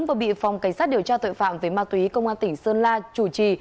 và bị phòng cảnh sát điều tra tội phạm với ma túy công an tỉnh sơn la chủ trì